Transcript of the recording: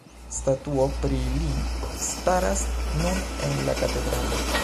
Statuo pri li staras nun en la katedralo.